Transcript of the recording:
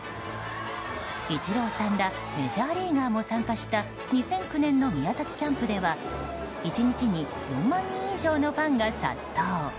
イチローさんらメジャーリーガーも参加した２００９年の宮崎キャンプでは１日に４万人以上のファンが殺到。